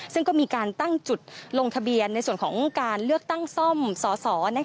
ซึ่งก็มีการตั้งจุดลงทะเบียนในส่วนของการเลือกตั้งซ่อมสส